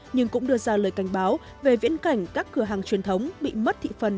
nhưng cũng đưa ra lời cảnh báo về viễn cảnh các cửa hàng truyền thống bị mất thị phần